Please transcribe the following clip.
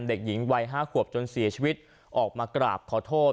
เด็กหญิงวัย๕ขวบจนเสียชีวิตออกมากราบขอโทษ